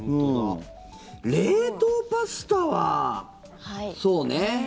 冷凍パスタはそうね。